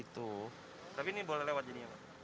tapi ini boleh lewat jadinya pak